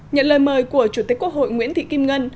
nhận lời mời của chủ tịch quốc hội nguyễn thị kim ngân